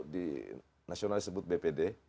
di nasional disebut bpd